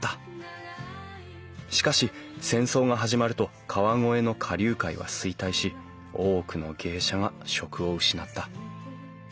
しかし戦争が始まると川越の花柳界は衰退し多くの芸者が職を失った。